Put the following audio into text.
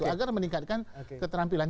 agar meningkatkan keterampilan